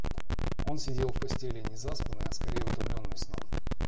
Он сидел в постели, не заспанный, а скорее утомленный сном.